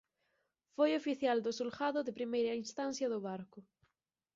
Foi oficial do Xulgado de Primeira Instancia do Barco.